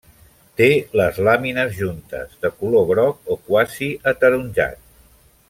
Té les làmines juntes, de color groc o quasi ataronjat.